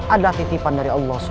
adalah titipan dari allah swt